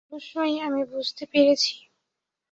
হ্যাঁ অবশ্যই, আমি বুঝতে পেরেছি।